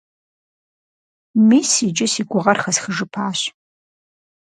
Мис иджы си гугъэр хэсхыжыпащ.